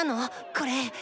これ。